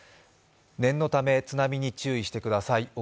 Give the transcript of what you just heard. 念のため津波に注意してください。